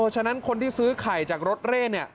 ฉะนั้นคนที่ซื้อไข่จากรถเร่เนี่ย